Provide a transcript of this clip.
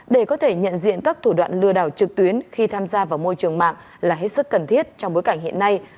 để có thể nhận diện các thủ đoạn lừa đảo trực tuyến khi tham gia vào môi trường mạng là hết sức cần thiết trong bối cảnh hiện nay